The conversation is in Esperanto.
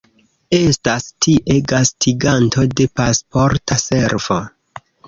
Estas tie gastiganto de Pasporta Servo.